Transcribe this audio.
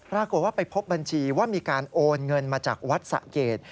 ปรากฏว่าไปพบบัญชีว่ามีการโอนเงินมาจากวัดสะเกด